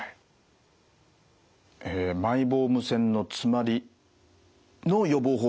えマイボーム腺の詰まりの予防法